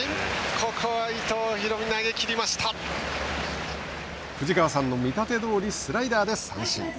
ここは伊藤藤川さんの見立てどおりスライダーで三振。